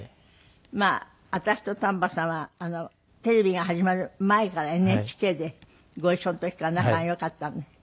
まあ私と丹波さんはテレビが始まる前からＮＨＫでご一緒の時から仲が良かったので。